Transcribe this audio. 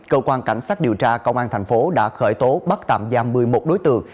cơ quan cảnh sát điều tra công an thành phố đã khởi tố bắt tạm giam một mươi một đối tượng